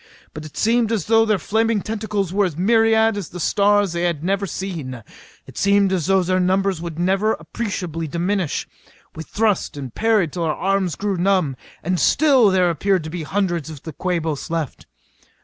But it seemed as though their flailing tentacles were as myriad as the stars they had never seen. It seemed as though their numbers would never appreciably diminish. We thrust and parried till our arms grew numb. And still there appeared to be hundreds of the Quabos left.